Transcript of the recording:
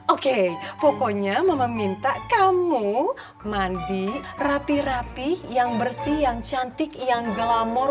oke pokoknya mama minta kamu mandi rapi rapi yang bersih yang cantik yang glamor